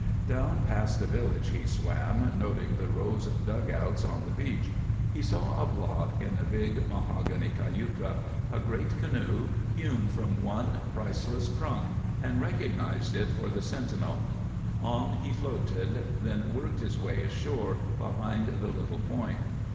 Down past the village he swam, noting the rows of dugouts on the beach. He saw a blot in the big mahogany cayuca, a great canoe hewn from one priceless trunk, and recognized it for the sentinel. On he floated, then worked his way ashore behind the little point.